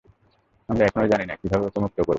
আমরা এখনও জানি না কীভাবে ওকে মুক্ত করব।